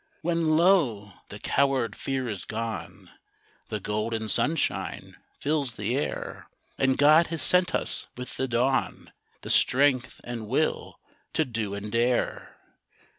When, lo! the coward fear is gone The golden sunshine fills the air, And God has sent us with the dawn The strength and will to do and dare.